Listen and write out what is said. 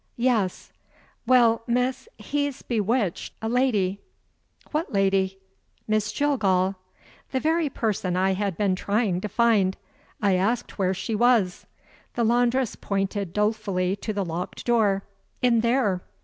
"Yes." "Well, miss, he's bewitched a lady." "What lady?" "Miss Jillgall." The very person I had been trying to find! I asked where she was. The laundress pointed dolefully to the locked door: "In there."